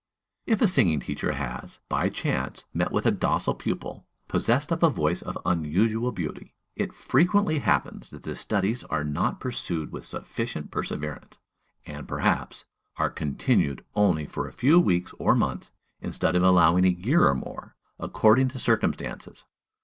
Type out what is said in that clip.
If a singing teacher has, by chance, met with a docile pupil, possessed of a voice of unusual beauty, it frequently happens that the studies are not pursued with sufficient perseverance; and, perhaps, are continued only for a few weeks or months, instead of allowing a year or more, according to circumstances.